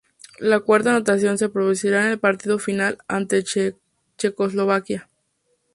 La cuarta anotación se produciría en el partido final ante Checoslovaquia.